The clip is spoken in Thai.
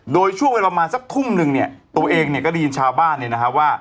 โดยช่วงเวลาประมาณสักทุ่มนึงเนี่ยตัวเองเนี่ยก็ได้ยินชาวบ้านเนี่ยนะฮะว่า